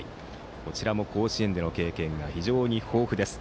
こちらも甲子園での経験が非常に豊富です。